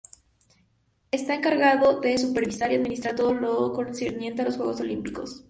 Está encargado de supervisar y administrar todo lo concerniente a los Juegos Olímpicos.